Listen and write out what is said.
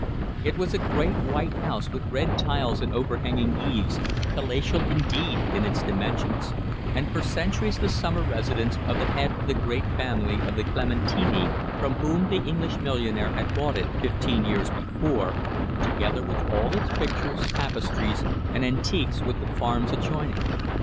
It was a great white house with red tiles and overhanging eaves, palatial indeed in its dimensions, and for centuries the summer residence of the head of the great family of Clementini, from whom the English millionaire had bought it fifteen years before, together with all its pictures, tapestries, and antiques, with the farms adjoining.